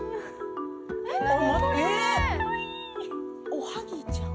おはぎちゃん？